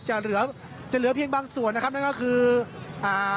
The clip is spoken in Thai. จะเหลือจะเหลือเพียงบางส่วนนะครับนั่นก็คืออ่า